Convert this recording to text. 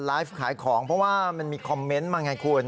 ไลฟ์ขายของเพราะว่ามันมีคอมเมนต์มาไงคุณ